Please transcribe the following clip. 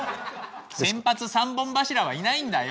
先発３本柱はいないんだよ！